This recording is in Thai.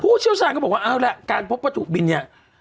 เชี่ยวชาญก็บอกว่าเอาล่ะการพบวัตถุบินเนี่ย